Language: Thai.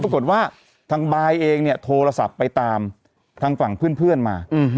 ปรากฏว่าทางบายเองเนี่ยโทรศัพท์ไปตามทางฝั่งเพื่อนมา